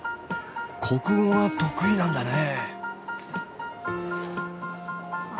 国語が得意なんだね！